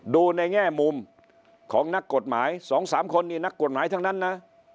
ดูในแง่มุมของนักกฎหมาย๒๓คนนี่นักกฎหมายทั้งนั้นนะ